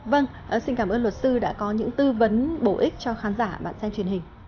vâng xin cảm ơn luật sư đã có những tư vấn bổ ích cho khán giả bạn xem truyền hình